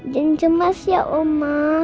jangan cemas ya oma